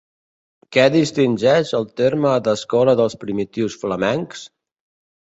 Què distingeix el terme d'«Escola dels Primitius Flamencs»?